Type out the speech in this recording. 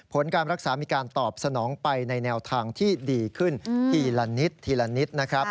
ผลการรักษามีการตอบสนองไปในแนวทางที่ดีขึ้นทีละนิดทีละนิดนะครับ